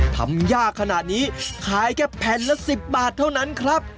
ทำยากขนาดนี้ขายแค่แผ่นละ๑๐บาทเท่านั้นครับ